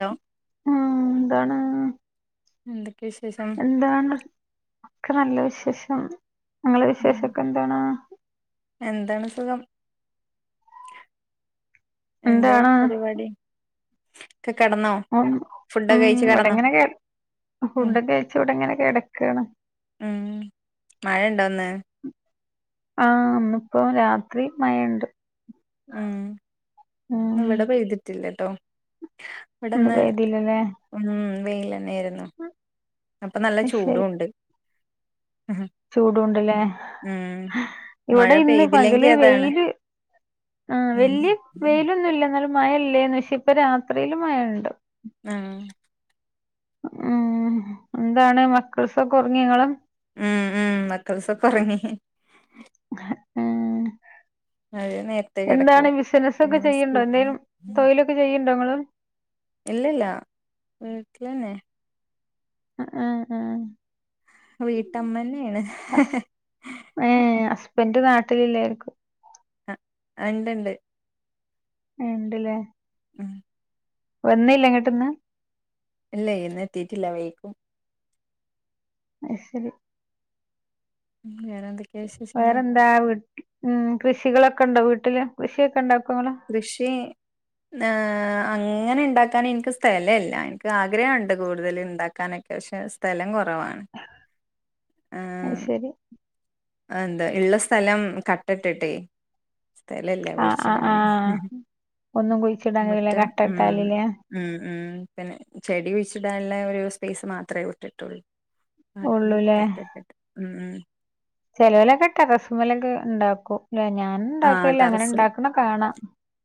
Hello മ്മ് എന്താണ് എന്തൊക്കെ വിശേഷം? എന്താണ് ഒക്കെ നല്ല വിശേഷം നിങ്ങളെ ഉം വിശേഷമൊക്കെ എന്താണ്? എന്താണ് സുഖം എന്താ എന്താണ് പരിപാടി? ഒക്കെ കിടന്നോ ഉം ഇവിടെങ്ങനെ കിട് ഉം ഫുഡ് കഴിച്ചു ഇവിടെങ്ങനെ കിടക്കയാണ് ഉം മഴണ്ടോന്ന് ആഹ് ഇന്നിപ്പോ രാത്രി മഴണ്ട് ഉം ഉം ഇവിടെ പെയ്തിട്ടില്ലട്ടോ ഇന്ന് ഇവിടെന്ന് പെയ്തില്ലല്ലേ ഉം വെയിലെന്നായിരുന്നു അപ്പൊ നല്ല അത് ചൂടു ശരി ഉണ്ട് ചൂടുണ്ട്ല്ലേ ഉം മഴ ഇവിടെ ഇന്ന് പെയ്തില്ലെങ്കി പകല് അതാണ് വെയില് ആഹ് ഉം വല്യ വെയിലൊന്നുല്ല എന്നാലും മഴ ഇല്ലേന്നു പക്ഷെ ഇപ്പം രാത്രിയില് മഴണ്ട് ഉം ഉം എന്താണ് മക്കൾസൊക്കെ ഉറങ്ങിയോങ്ങളെ ഉം ഉം മക്കൾസ്സൊക്കെ ഒറങ്ങി ഏ അവര് നേരത്തേ കിടക്കും നാളെ സ്കൂള് ക്ക് ചെയ്യുണ്ടോ നിങ്ങള് ഇല്ലല്ല വീട്ടിലന്നേ ആഹ് ആഹ് ആഹ് വീട്ടമ്മന്നെയാണ് ഏ ഹസ്ബൻറ് നാട്ടിലില്ലായിരിക്കും എ ഇണ്ട്ണ്ട് ഇണ്ട് ല്ലേ ഉം വന്നില്ലേ ഇങ്ങട്ട്ന്ന് ഇല്ലേ എഴുന്നേറ്റിട്ടില്ല, വൈകും. അത്ശെരി. ഉം വേറെന്ത് വേറെന്താ വീട്ട് കൃഷികളൊക്കെണ്ടോ വീട്ടില്, കൃഷിയൊക്കെ ഇണ്ടക്കോങ്ങള് കൃഷി. അങ്ങനെ ഉണ്ടാക്കാൻ എനിക്ക് സ്ഥലല്ല എനിക്ക് ആഗ്രഹമുണ്ട് കൂടുതൽ ഇണ്ടാക് ക്കാനൊക്കെ പക്ഷെ സ്ഥലം കുറവാണ്. ആ, അത്ശരി. എന്താ ഉള്ള സ്ഥലം കട്ടട്ടട്ടെ സ്ഥലല്ല്യ ആഹ് ആഹ് കുഴിച്ചിടാണ്, ആഹ് ഒന്നും കുഴിച്ചിടാൻ കഴിയൂല മുറ്റം കട്ട മം. ഇട്ടാല്ല്ലേ ഉം ഉം പിന്നെ ചെടി കുഴിച്ചിടാനുള്ള ഒരു സ്പേസ് മാത്രമേ വിട്ടിട്ടുള്ളൂ. [unintelligible] ഉള്ളൂല്ലേ കട്ടട്ട്ട്ട് ഉം ഉം ചെലോലൊക്കെ ടെറസുമലൊക്കെ ഉണ്ടാക്കും ലെ ഞാൻ ആ ഇണ്ടാക്കല്ല അങ്ങനെ ടെറസിൽ ഇണ്ടാക്കണ കാണാം.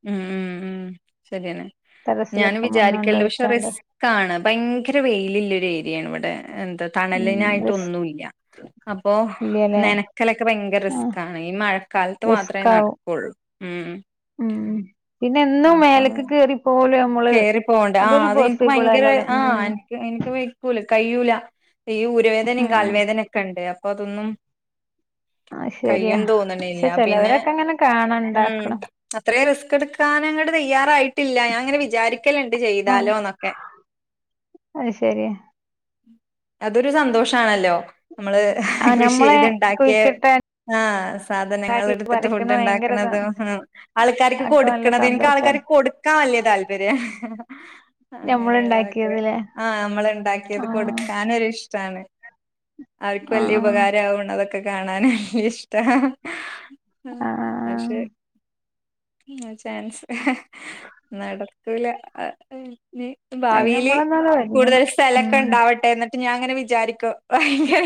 ഉം ഉം ഉം ശരിയന്നെ ഞാനും ടെറസിലൊക്കെ വിചാരിക്കല്ണ്ട് പക്ഷെ മണ്ണൊണ്ടോയിട്ടാണ്ട് റിസ് ക്കാണ് ഭയങ്കര വെയിലുള്ള ഒരു ഏരിയാണ് ഇവിടെ എന്താ ഉം റിസ് തണലിനായിട്ടൊന്നുല്ല അപ്പോ ഇല്ലല്ലേ നനക്കലൊക്കെ ഭയങ്കര റിസ്ക്കാണ് ഈ മഴക്കാലത്ത് മാത് ക്കവും ഉം പിന്നെ എന്നും മേലക്ക് കേറിപ്പോലും കേയറിപ്പോണ്ട് ആഹ് അതെനിക്ക് ഭയങ്കരെ അല്ലല്ലോ ഉം ആഹ് എനിക്ക് വെക്കൂല കയ്യൂല ഈ ഊരുവേദനയും ഉം കാൽവേദനൊക്കെ ഉണ്ട് അപ്പൊ അതൊന്നും. അത് ശരിയാ കയ്യും തോന്നണില്ല പക്ഷെ പിന്നെ. ചെലവരൊക്കെ അങ്ങനെ കാണാ ഉം ഇണ്ടാക്ക്ണ് അത്രേ റിസ്ക് എടുക്കാനങ്ങട്ട് തയ്യാറായിട്ടില്ല. ഞാങ്ങനെ വി വിചാരിക്കലുണ്ട് ആഹ് ചെയ്താലോന്നൊക്കെ. അത് ശരിയാ അതൊരു സന്തോഷാണല്ലോ നമ്മള് ആഹ് കൃഷി ഞമ്മളെ ചെയ്ത്ണ്ടാക്കിയെ കുഴിച്ചിട്ട ആഹ് സാധനങ്ങൾ ഇണ്ടാക്കി എടുത്തിട്ട് പറിക്കണ ഫുഡ് ഭയങ്കര ഇതാ ഉണ്ടാക്കണതും, ആൾക്കാർക്ക് അതൊക്കെ നല്ല കൊടുക്കണത് എനിക്ക് ആൾക്കാർ സന്തോഷാണ് കൊടു- ക്കാൻ വല്ല്യ താല്പര്യം. ഞമ്മള് അങ്ങനെയുള്ളതൊക്കെ ഇണ്ടാക്കിയത് ല്ലേ ആഹ് നമ്മള് ഉണ്ടാക്കിയത് ആഹ് കൊടുക്കാനൊരിഷ്ടാണ്. അവർക്ക് ആഹ് വല്യ ആഹ് ഉപകാരം ആവണതൊക്കെ കാണാന് ഇഷ്ട. ആഹ് ആഹ് പക്ഷേ ചാൻസ് നട. [unintelligible] അയിന് ഭാവിയില് നമ്മളൊന്നാണ്ട് കൂടുതൽ ഒരുങ്ങണം സ്ഥലൊക്കെ ഉം ഉണ്ടാവട്ടേന്ന്. ഞാൻ അങ്ങനെ വിചാരിക്കും ഭയങ്കര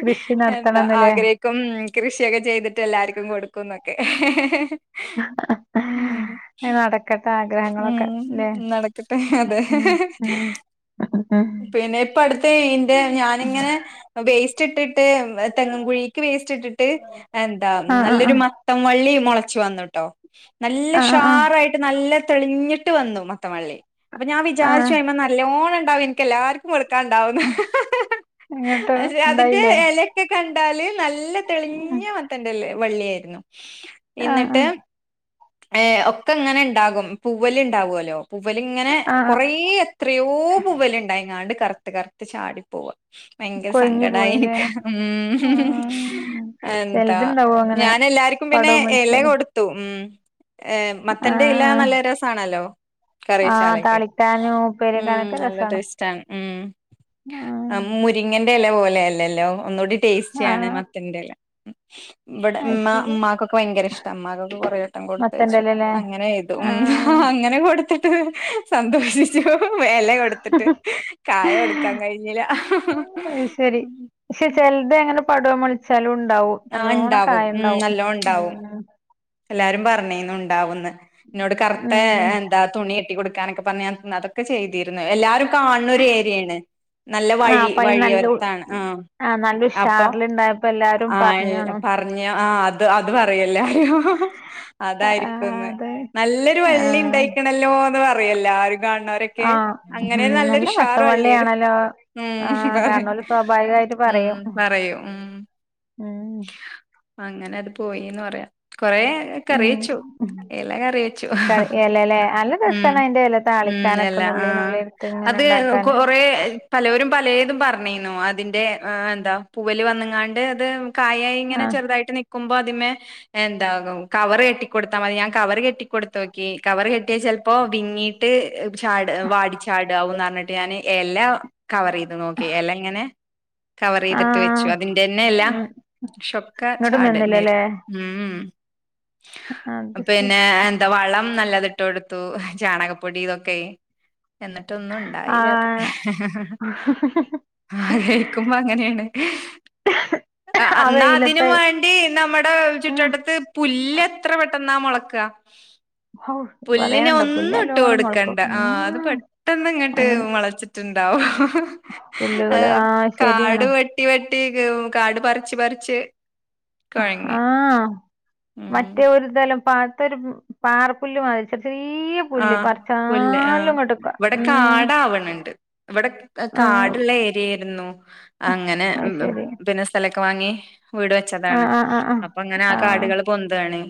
കൃഷി എന്താ നടത്തണംന്ന്ല്ലേ ആഗ്രഹിക്ക കൃഷിയൊക്കെ ചെയ്തിട്ട് എല്ലാർക്കും കൊടുക്കുന്നൊക്കെ. ഉം. നടക്കട്ടെ ആഗ്രഹങ്ങളൊക്കെ ഉം ല്ലേ നടക്കട്ടെ അതെ. ഉം ഉം പിന്നെ ഇപ്പ അടുത്ത ഇതിന്റെ ഞാനിങ്ങനെ വേസ്റ്റ് ഇട്ടിട്ട് തെങ്ങിൻ കുഴി വേസ്റ്റ് ഇട്ടിട്ട് എന്താ ആ ആ ആ നല്ലൊരു മ മത്തം വള്ളി മുളച്ചു വന്നുട്ടോ നല്ല ആ ആ ഉഷാറായിട്ട് നല്ല. തെളിഞ്ഞിട്ട് വന്നു മത്ത വള്ളി അപ്പൊ ഞാൻ ആ വിചാരിച്ചു അതിൻമേ നല്ലോണം ഉണ്ടാവും എനിക്ക് എല്ലാവർക്കും കൊടുക്കാൻ ഉണ്ടാവുന്ന് ആ ഇങ്ങോട്ട് അതിന്റെ ഉണ്ടായില്ലേ ഇലയൊക്കെ കണ്ടാല് നല്ല നല്ല തെളിഞ്ഞ മത്തന്റെ വള്ളിയായിരുന്നു ആ ആ എന്നിട്ട്, ഏഹ് ഒക്കെ ഇങ്ങനെ ഉണ്ടാകും പൂവല്ല് ഉണ്ടാാവുമല്ലോ. പൂവല് ഇങ്ങനെ ആ കുറേ എത്രയോ പൂവൽ ഉണ്ടായിങ്ങാണ്ട് കറുത്ത് കറുത്ത് ചാടി പോവ. ഭയങ്കര കൊഴിഞ്ഞു സങ്കടമായി പോയില്ലേ ഉം ആ എന്താ ചെലതുണ്ടാവും അങ്ങനെ ഞാൻ എല്ലാർക്കും പിന്നെ പടവും ഇല വലിച്ചാല് കൊടുത്തു ഉം ആ മത്തന്റെ ഇല നല്ല രസമാണല്ലോ. ആ കറിവെച്ചാലക്കെ താളിക്കാനും ഉം ഉപ്പേരിക്കാനൊക്കെ നല്ല രസാണ് ടേസ്റ്റ്. ആണ് ആ ഉം മുരിങ്ങന്റെ ഇല പോലെ അല്ലല്ലോ ഒന്നുകൂടി ആ ടേസ്റ്റിയാണ് മ മത്തന്റെ ഇല ഇവിടെ അത് ശരി ഉമ്മാക്കൊക്കെ ഭയങ്കര ഇഷ്ടാ ഉമ്മാക്കൊക്കെ കുറേ വട്ടം കൊടുത്തയച്ചു മത്തന്റെലല്ലേ അങ്ങനെ ഇതും ആ ഉം ആഹ് അങ്ങനെ കൊടുത്തിട്ട് സന്തോഷിച്ചു ഇല കൊടു ത്തിട്ട് കായ കൊടുക്കാൻ കഴിഞ്ഞില്ല. അത് ശരി പക്ഷെ ചിലത് ഇങ്ങനെ പടുവ മുളച്ചാലും ഉണ്ടാവും ആഹ് നല്ലോണം ഇണ്ടാവും കായ ഉം ഉണ്ടാവും നല്ലോം ഉം ഇണ്ടാവും ഉം എല്ലാരും പറഞ്ഞീന്നു ഇണ്ടാവൂന്ന് ഇന്നോട് കറുത്ത ഉം താ തുണി കെട്ടി കൊടുക്കാനൊക്കെ പറഞ്ഞ് ഞാൻ അതൊക്കെ ചെയ്തീരുന്നു എല്ലാരും കാണുന്നൊരു ഏരിയയാണ് നല്ല ആ വഴി അപ്പൊ അയിന് നല്ല ഉ- വഴിയോരത്താണ് ആഹ് ആ നല്ല അപ്പൊ ഉഷാറിലുണ്ടായപ്പോ എല്ലാരും ആഹ് പറഞ്ഞാണു പറഞ്ഞു ആഹ് അത് അത് പറയില്ലാരും ആ അതായിരിക്കുന്ന് അതെ നല്ലൊരു ആ വള്ളി ഇണ്ടായ്ക്കണല്ലോ എന്ന് പറയും എല്ലാരും കാണണ ന്തോക്കെ ആ അങ്ങനെ ഉം നല്ല നല്ലൊരു ഉഷാറാ [unintelligible] വട്ടവള്ളിയാണല്ലോ ആ ഉം പറ കാരണോല് സ്വാഭാവികായിട്ട് ഉം പറയും പറയൂ ഉം ഉം അങ്ങനെ അത് പോയിന്ന് പറയാ കുറേ കറി ഉം വെച്ചു ഇല കറി വെച്ചു എലല്ലേ നല്ല ഉം രസാണ് അയിന്റെ എല ഉം താളിക്കാനൊക്കെ ഇല നുള്ളി ആഹ് നുള്ളി എടുത്ത് ഇങ്ങനെ അത് ഇണ്ടാക്കാന് കുറേ പലോരും പലേതും പറഞ്ഞിരുന്നു അതിന്റെ എന്താ പൂവല് വന്നങ്ങാണ്ട് അത് കായായി ഇങ്ങനെ ആ ചെറുതായിട്ട് നിക്കുമ്പോ അതിമേ എന്താകും കവർ കെട്ടികൊടുത്താ മതി ഞാൻ കവർ കെട്ടികൊടുത്തോക്കി കവർ കെട്ടിയാൽ ചിലപ്പോ വിങ്ങി ട്ട് ചാട് വാടിചാടാവോന്ന് പറഞ്ഞിട്ട് ഞാന് ഇല കവറ് ചെയ്ത് നോക്കി ഇല ഇങ്ങനെ കവറ് ചെയ്തിട്ട് വെച്ചു ആഹ് അതിന്റെന്നെ ഇല ഉം ഷൊക്ക ഇങ്ങട്ട് ചാട്ന്നേര് നിന്നില്ലല്ലേ ഉം അത് ശരി പിന്നെ വളം നല്ലതിട്ട് കൊടുത്തു ചാണകപ്പൊടി ഇതൊക്കെ എന്നിട്ട് മറ്റൊന്നും ഒണ്ടായില അത് ആഹ് ആ കഴിക്കുമ്പോ അങ്ങനെയാണ് ആഹ് ആ എന്നാ അതിനു വെയിലത്ത് വേണ്ടി നമ്മടെ ഉം ചുറ്റുവട്ടത്ത്- പുല്ല് എത്ര പെട്ടെന്നാ മോളക്ക ഹൗ പുല്ലിന് പറയാണ്ടോ പുല്ല് ഒന്നും ഇട്ട് നല്ലോണം കൊടുക്കണ്ട മൊളക്കും ആഹ് അത് ഉം പെട്ടെന്ന് ഇങ്ങട്ട് അങ്ങനെ മോളച്ചിട്ട് ട്ട് ഇണ്ടാവും പുല്ലുകള് ആഹ് കാട് ശരിയാണ് വെട്ട് വെട്ടി കാട് പറിച്ച് പറിച്ച്- കുഴങ്ങി ആഹ് ഉം മറ്റേ ഒരുതലം പാത്തൊരു പാർ- പുല്ല് മാതിരി ചെറിയ പുല്ല് ആഹ് പുല്ല് ആഹ് പറച്ചാലും അങ്ങട്ട് ഉം ഇവടെ ആഹ് കാട് ഉള്ള ഏരിയായിരുന്നു അങ്ങനെ അത് ശരി പിന്നെ- സ്ഥലൊക്കെ വാങ്ങി വീട് വെച്ചതാണ് ആഹ് ആഹ് ആഹ് ആഹ് അപ്പൊ അങ്ങനെ ആ കാടുകള് പൊന്തുവാണ്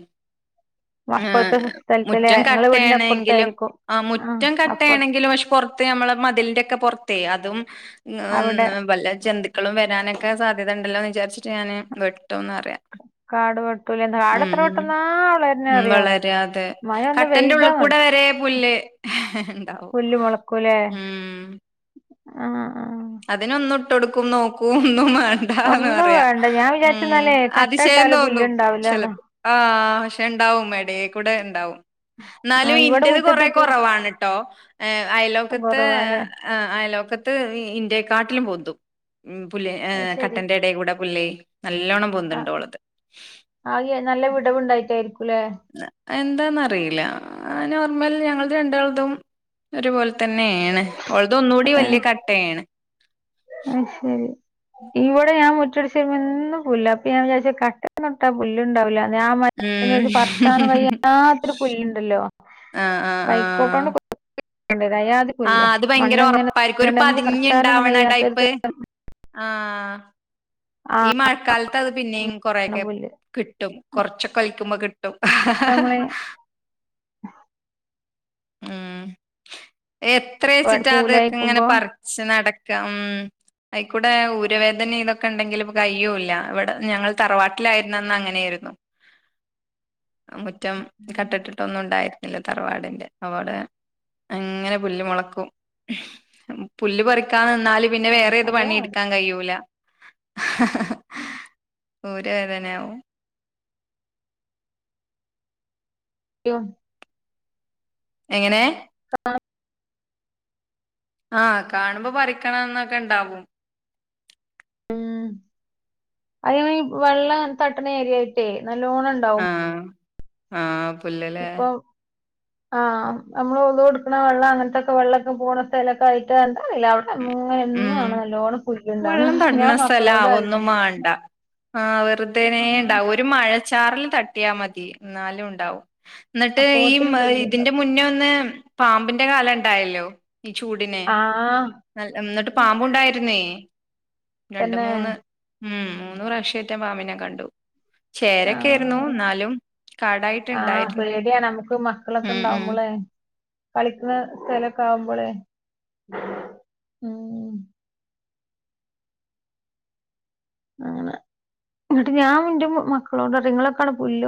അപ്പറത്തെ സ്ഥലത്തില് നിങ്ങളെ വീടിന്റെ- ആന് എങ്കിലും അപ്പുറത്തായിരിക്കും ആ മുറ്റം അപ്പുറ കട്ടെണെങ്കിലും പൊറ - ത്ത് നമ്മളെ മതിലിന്റെക്കെ പൊറത്തേ അതും- അവിടെ മക്കളും വരാനൊക്കെ സാധ്യതയുണ്ടല്ലോ എന്ന് വിചാരിച്ചിട്ട് ഞാന് വെട്ടോന്ന് അറിയാ- കാട് വെട്ടൂലേ കാട് ഉം എത്ര വെട്ടുന്നാ അവളെന്നെ ഉം അറിയോ വളരാതെ അ മഴ ഒന്ന് കട്ടന്റെ പെയ്താ ഉള്ള് - മതി കൂടെ വരെ പുല്ല് ഇണ്ടാവും ഉം ആഹ് ആഹ് അതിനൊന്നും ഇട്ട് കൊടുക്കും നോക്കു ഒന്നുംവേണ്ട ആഹ് എന്ന് ഒന്നും പറയാ വേണ്ട ഞാൻ ഉം വിചാരിച്ചെന്നാലേ കട്ട അതിശയം ഇട്ടാല് തോന്നും പുല്ലുണ്ടാവില്ലാന്ന് ചെലപ്പോ ആഹ് ഇണ്ടാവും എടേ കൂടെ ഇണ്ടാവും ആ എന്നാലും ഇവിടെ എന്റത് കൊറേ മുറ്റത്തൊക്കെ കോറവാണ് ട്ടോ അയലുവക്കത്ത് കുറവാല്ലേ - ആഹ് അയലുവക്കത്ത് ഇന്റെക്കാട്ടിലും പൊന്തും ഉം പുല്ല് അത് ശരി കട്ടന്റെ എടെക്കുടെ പുല്ലേ നല്ലോണ്ണം ആ പൊന്തുണ്ട്‌ ഓളത് ആകെ നല്ല വിടവുണ്ടായിട്ടായിരിക്കുംല്ലെ എന്താന്നറിയില്ല നോർമൽ ഞങ്ങൾ രണ്ടാളത്തും ഒരുപോലെ- തന്നെയാണ് ഓളത് ഒന്നുകൂടി ഏ വലിയ കട്ടയാണ് അത് ശരി ഇവിടെ ഞാൻ മുറ്റവടിച്ച് കഴിയുമ്പോ എന്നും പുല്ല് അപ്പൊ ഞാൻ വിചാരിച്ചു കട്ടന്നുട്ടാ പുല്ല് ഉണ്ടാവില്ല ഞാൻ ഉം പറച്ചാനും കയ്യാത്ത പുല്ലണ്ടല്ലോ ആഹ് ആഹ് ആഹ് കൈക്കോട്ടോണ്ട്കൊത്തി ക്കേണ്ടത് അയാ അത്- ആഹ് അത് ഭയങ്കര ഒറപ്പായിരിക്കും ഒരു പതിഞ് പറിച്ചാനൊന്നും ഇണ്ടാവണ കഴിയാത്തൊരു ടൈപ്പ് ത- ആഹ് ആ ഈ മഴക്കാലത്ത് അത് പിന്നെ ഉം, കൊറൊയൊക്കെ പുല്ല് കിട്ടും കൊറച്ചൊക്കെ കഴിക്കുമ്പോ കിട്ടും നമ്മള് ഉം എത്രയ് വ- വെച്ചിട്ടാ അതൊക്കെ ഇങ്ങനെ പൂലായിക്കുമ്പോ പറിച്ച് നടക്കാം ഉം അയിക്കൂടെ ഊര് വേദന ഇതൊക്കെ ഉണ്ടെങ്കിൽ നമുക്ക് അയ്യോം ഇല്ല ഇവിടെ ഞങ്ങള് തറവാട്ടിലായിരുന്ന അന്ന് അങ്ങനെയിരുന്നു. മുറ്റം കട്ടട്ടിട്ടൊന്നും ഉണ്ടായിരുന്നില്ല, തറവാടിന്റെ. അവിടെ അങ്ങനെ പുല്ല് മൊളക്കും. പുല്ല് പറിക്കാൻ നിന്നാലും. പിന്നെ ആ വേറെ ഏത് അതേ പണി മതി എടുക്കാൻ കഴിയൂല. ഊര് വേദനയാവും. അയ്യോ എങ്ങനെ?. [unintelligible] ആഹ് കാണുമ്പോ പറിക്കണംന്നൊക്കെ ഇണ്ടാവും. ഉം അത് വെള്ളം തട്ടണ ഏരിയായിട്ടേ നല്ലോണം ഉണ്ടോ. ആഹ് ആഹ് പുല്ലലേ ഇപ്പൊ ആഹ് നമ്മള് ഉളൂ എടുക്കണ വെള്ളം അങ്ങനത്തൊക്കെ വെള്ളൊക്കെ പോണ സ്ഥലൊക്കെ ആയിട്ട് എന്താറീല അങ്ങന എന്നു ഉം ആണ് നല്ലോണം പുല്ലുണ്ടാണ് വെള്ളം തട്ട്ണ ഞാൻ സ്ഥലം മക്കളോടറയും ആവൊന്നും മാണ്ട ആഹ് വെറുതെേനെ ണ്ടാവു ഒരു മഴച്ചാറൽ തട്ടിയാ മതി എന്നാലു ഉണ്ടാവും. എന്നിട്ട് ഈ അപ്പോത്തിന് ഇതിന്റെ പുല്ലുണ്ടാവും മുന്നേ ഒന്ന് പാമ്പിന്റെ കാല ണ്ടായല്ലോ, ഈ ചൂടിന്. ആഹ് എന്നിട്ട് പാമ്പുണ്ടായിരുന്നേ രണ്ട്, തന്നെ മൂന്ന് ഉം മൂന്നൂ പ്രവശ്യായിട്ടു പാമ്പിനെ കണ്ടു. ചേരൊക്കെയിരുന്നു, ആഹ് എന്നാലും കാടായിട്ട് ആഹ് ഇണ്ടായിരുന്നു പേടിയാണ് നമുക്ക് മക്കളൊക്കെ ഉം ഉം ഉണ്ടാവുമ്പോളെ കളിക്കണ സ്ഥലൊക്കെ ആകുമ്പോളെ അങ്ങനെ എന്നിട്ട് ഞാൻ ഇന്റെ മക്കളോടയു ഇങ്ങളോക്കങ്ങട്ട് പുല്ല് പറി